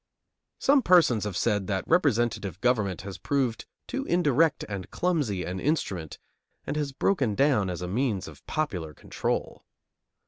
Some persons have said that representative government has proved too indirect and clumsy an instrument, and has broken down as a means of popular control.